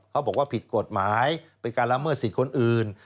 เขาบอกว่าผิดกฎหมายเป็นการละเมิดสิทธิ์คนอื่น